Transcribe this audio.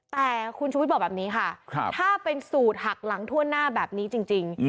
แต่คุณชุวิตบอกแบบนี้ค่ะถ้าเป็นสูตรหักหลังทั่วหน้าแบบนี้จริง